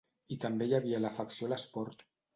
I també hi havia l'afecció a l'esport.